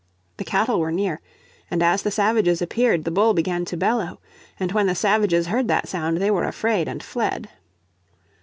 The cattle were near, and as the savages appeared the bull began to bellow. And when the savages heard that sound they were afraid and fled.